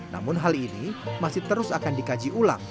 namun hal ini masih terus akan dikaji ulang